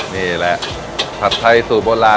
นี่แหละผัดไทยสูตรโบราณ